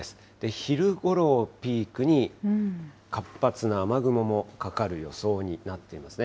昼ごろをピークに、活発な雨雲もかかる予想になっていますね。